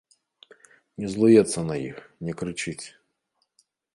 Не злуецца на іх, не крычыць.